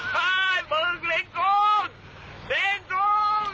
ลิคทุนลิคทุน